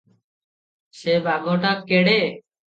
ସେ ବାଘଟା କେଡେ!